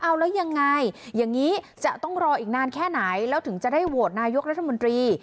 เอาแล้วยังไงอย่างนี้จะต้องรออีกนานแค่ไหนแล้วถึงจะได้โหวตนายกรัฐมนตรี